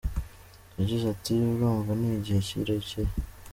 Yagize ati "Urumva ni igihe kirekire.